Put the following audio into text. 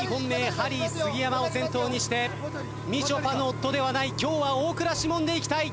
ハリー杉山を先頭にしてみちょぱの夫ではない今日は大倉士門でいきたい。